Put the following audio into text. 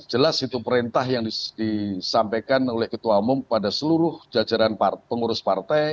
jelas itu perintah yang disampaikan oleh ketua umum pada seluruh jajaran pengurus partai